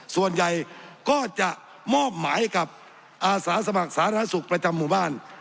ส่วนใหญ่ก็จะมอบหมายกับอาสาสมัครสาธารณสุขประจำหมู่บ้าน